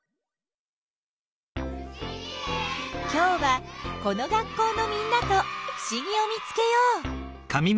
きょうはこの学校のみんなとふしぎを見つけよう。